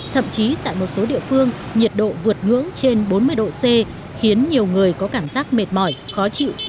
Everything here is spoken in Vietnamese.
thậm chí tại một số địa phương nhiệt độ vượt ngưỡng trên bốn mươi độ c khiến nhiều người có cảm giác mệt mỏi khó chịu